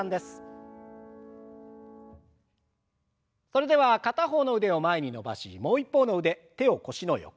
それでは片方の腕を前に伸ばしもう一方の腕手を腰の横。